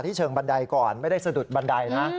เชิงบันไดก่อนไม่ได้สะดุดบันไดนะ